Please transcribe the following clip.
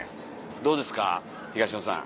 どうですか東野さん。